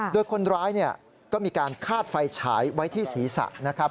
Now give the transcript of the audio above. โดยคนร้ายก็มีการคาดไฟฉายไว้ที่ศีรษะนะครับ